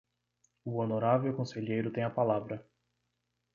O honorável conselheiro tem a palavra.